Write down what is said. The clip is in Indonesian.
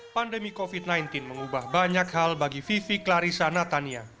pandemi covid sembilan belas mengubah banyak hal bagi vivi clarissa natania